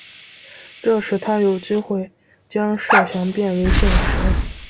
这使他有机会将设想变为现实。